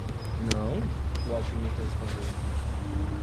"Não?" o alquimista respondeu.